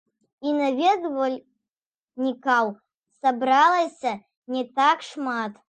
І наведвальнікаў сабралася не так шмат.